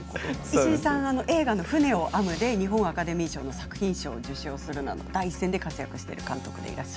石井さんは映画「舟を編む」で日本アカデミー賞作品賞を受賞するなど第一線で活躍されている監督です。